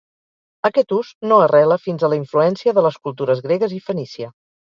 Aquest ús no arrela fins a la influència de les cultures gregues i fenícia.